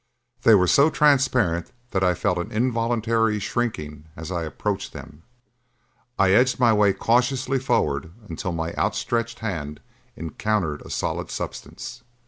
They were so transparent that I felt an involuntary shrinking as I approached them. I edged my way cautiously forward until my outstretched hand encountered a solid substance.